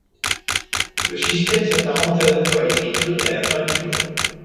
Le système s'apparente à la fois à l'écriture et à la peinture.